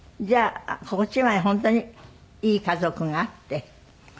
じゃあこっちは本当にいい家族があって。